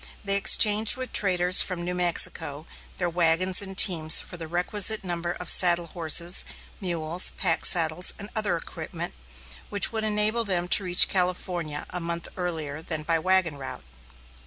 They exchanged with traders from New Mexico their wagons and teams for the requisite number of saddle horses, mules, pack saddles, and other equipment, which would enable them to reach California a month earlier than by wagon route.